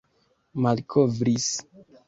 malkovris